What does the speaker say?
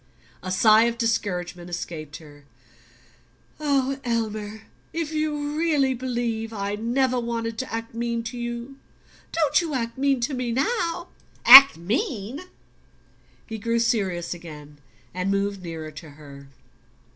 A sigh of discouragement escaped her. "Elmer if you really believe I never wanted to act mean to you, don't you act mean to me now!" "Act mean?" He grew serious again and moved nearer to her.